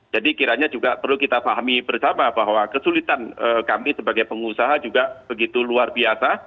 jadi kiranya juga perlu kita pahami bersama bahwa kesulitan kami sebagai pengusaha juga begitu luar biasa